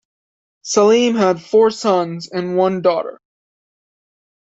Salim has four sons and one daughter.